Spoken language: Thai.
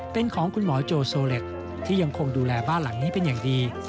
เป็นของคุณหมอโจโซเล็ตที่ยังคงดูแลบ้านหลังนี้เป็นอย่างดี